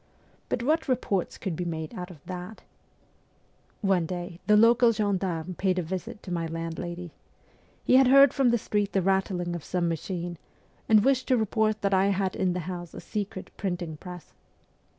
But what reports could be made out of that ? One day the local gendarme paid a visit to my landlady. He had heard from the street the rattling of some machine, and wished to report that I had in the house a secret printing press.